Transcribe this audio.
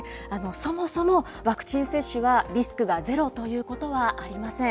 そもそも、ワクチン接種はリスクがゼロということはありません。